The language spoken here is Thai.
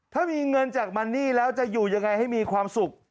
ถ้ามีเงินจากมันนี่แล้วจะอยู่ยังไงให้มีความสุข